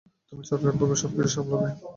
তুমি চমৎকার ভাবে সবকিছু সামলাবে।